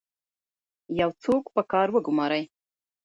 یو څوک په کار وګمارئ.